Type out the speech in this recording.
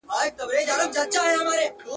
زه به وکړم په مخلوق داسي کارونه.